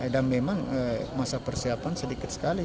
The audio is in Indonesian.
dan memang masa persiapan sedikit sekali